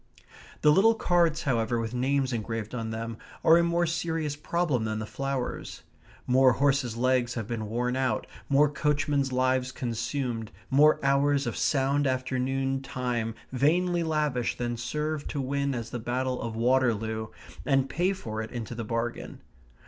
The little cards, however, with names engraved on them, are a more serious problem than the flowers. More horses' legs have been worn out, more coachmen's lives consumed, more hours of sound afternoon time vainly lavished than served to win us the battle of Waterloo, and pay for it into the bargain.